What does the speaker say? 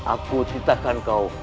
aku ceritakan kau